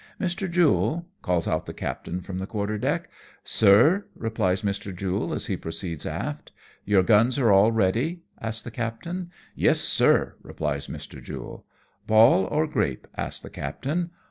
" Mr. Jule,'^ calls out the captain from the quarter deck. " Sir," replies Mr. Jule, as he proceeds aft. " Your guns are all ready ?" asks the captain. " Yes, sir !" replies Mr. Jule. "Ball or grape?" asks the captain.